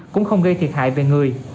cũng không gây thiệt hại về người